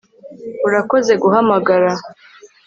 Urakoze guhamagara